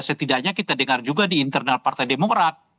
setidaknya kita dengar juga di internal partai demokrat